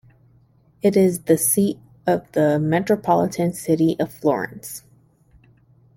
It is the seat of the Metropolitan City of Florence.